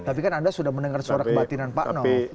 tapi kan anda sudah mendengar suara kebatinan pak nof